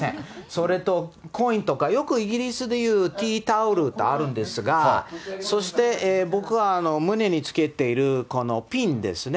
それとコインとか、よくイギリスでいうティータオルってあるんですが、そして僕が胸につけているこのピンですね。